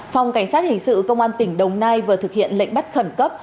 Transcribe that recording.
phòng cảnh sát hình sự công an tỉnh đồng nai vừa thực hiện lệnh bắt khẩn cấp